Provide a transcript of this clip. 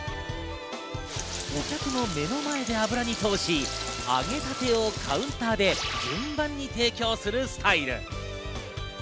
お客の目の前で油に通し、揚げたてをカウンターで順番に提供するスタイル。